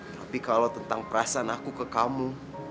tapi kalau tentang perasaan aku ke kamu